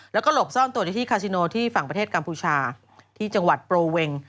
แล้วก็หลบซ่อนตัวในที่คาซิโนที่ฝั่งประเทศกัมพูชาที่จังหวัดโปรเวง